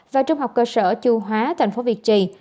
và trung học cơ sở chu hóa thành phố việt trì